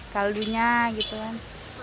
kaldunya gitu kan